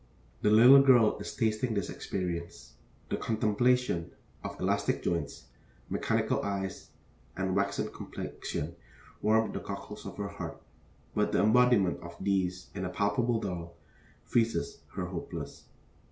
The little girl is tasting this experience. The contemplation of elastic joints, mechanical eyes, and waxen complexion warmed the cockles of her heart, but the embodiment of these in a palpable doll freezes her hopeless.